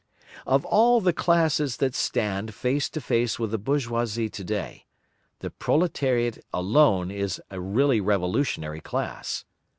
Of all the classes that stand face to face with the bourgeoisie today, the proletariat alone is a really revolutionary class.